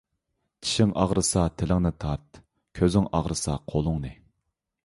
چىشىڭ ئاغرىسا تىلىڭنى تارت، كۆزۈڭ ئاغرىسا قولۇڭنى.